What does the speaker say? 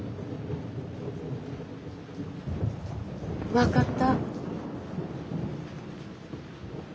分かった。